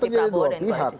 terjadi di dua pihak